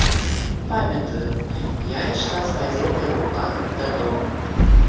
Памятаю, я ішла з газетай у руках дадому.